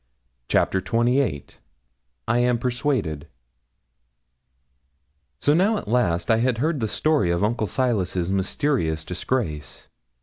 CHAPTER XXVIII I AM PERSUADED So now at last I had heard the story of Uncle Silas's mysterious disgrace.